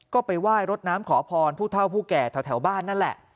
ก็ไปไหว้รดน้ำขอพรผู้เท่าผู้แก่แถวบ้านนั่นแหละ